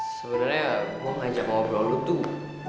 sebenernya gue ngajak ngobrol lo tuh